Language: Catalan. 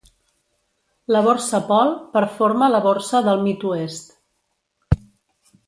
La borsa Paul per forma la borsa del Mid-oest.